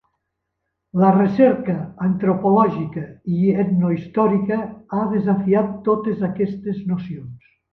La recerca antropològica i etnohistòrica ha desafiat totes aquestes nocions.